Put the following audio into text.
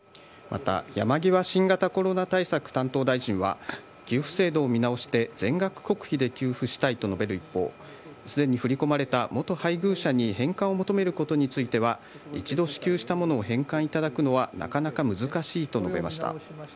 また、山際新型コロナ対策担当大臣は、給付制度を見直して、全額国費で給付したいと述べる一方、すでに振り込まれた元配偶者に返還を求めることについては、一度支給したものを返還いただくのはなかなか難しいと述べました。